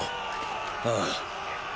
ああ。